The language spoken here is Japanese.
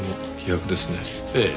ええ。